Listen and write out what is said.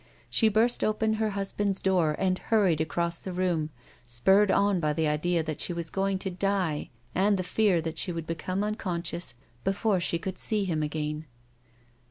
She burst open her husband's door, and hurried across the room, spurred on by the idea that she was going to die and the fear that she would become unconscious before she could see him again.